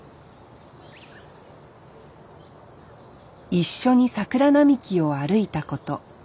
一緒に桜並木を歩いたこと。